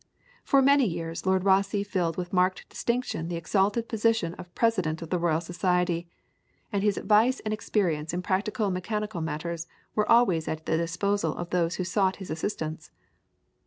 For many years Lord Rosse filled with marked distinction the exalted position of President of the Royal Society, and his advice and experience in practical mechanical matters were always at the disposal of those who sought his assistance.